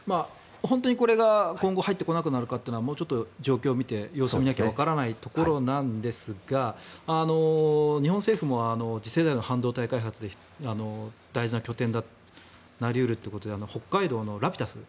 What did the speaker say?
本当にこれが今後入ってこなくなるかというのはもうちょっと状況を見て様子を見ないとわからないところなんですが日本政府も次世代の半導体開発で大事な拠点になり得るということで北海道のラピダス。